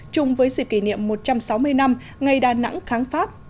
chung với dịp kỷ niệm một trăm sáu mươi năm ngày đà nẵng kháng pháp